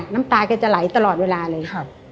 น้ำตาแกจะไหลตลอดเวลาเลย